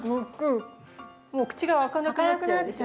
もう口が開かなくなっちゃうでしょ。